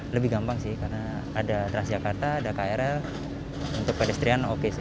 lebih gampang sih karena ada transjakarta ada krl untuk pedestrian oke sih